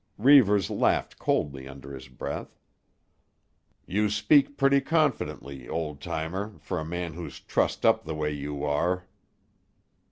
Reivers laughed coldly under his breath. "You speak pretty confidently, old times, for a man who's trussed up the way you are."